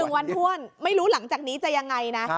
วันถ้วนไม่รู้หลังจากนี้จะยังไงนะ